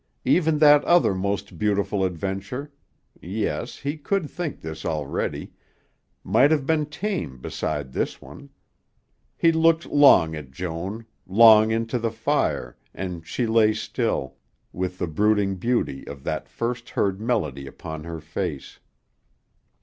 Even that other most beautiful adventure yes, he could think this already! might have been tame beside this one. He looked long at Joan, long into the fire, and she lay still, with the brooding beauty of that first heard melody upon her face.